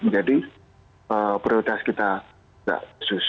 jadi prioritas kita tidak khusus